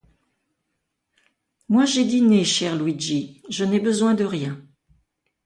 Moi, j’ai dîné, cher Luigi, je n’ai besoin de rien.